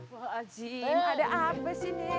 pak zin ada apa sih nih